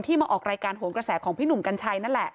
มาออกรายการโหนกระแสของพี่หนุ่มกัญชัยนั่นแหละ